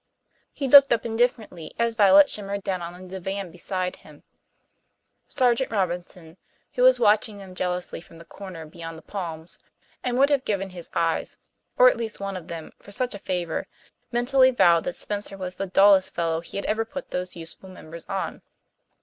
He looked up indifferently as Violet shimmered down on the divan beside him. Sergeant Robinson, who was watching them jealously from the corner beyond the palms, and would have given his eyes, or at least one of them, for such a favour, mentally vowed that Spencer was the dullest fellow he had ever put those useful members on.